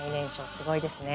すごいですね。